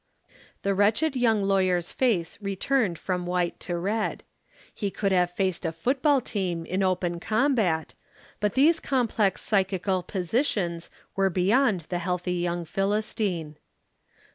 The wretched young lawyer's face returned from white to red. He could have faced a football team in open combat, but these complex psychical positions were beyond the healthy young Philistine.